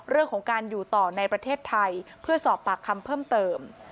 เรื่องของการอยู่ต่อในประเทศไทยเพื่อสอบปากคำเพิ่มเติม